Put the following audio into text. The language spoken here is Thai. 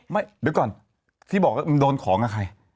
เดี๋ยวก่อนพี่บอกว่านายโดนของกับใคร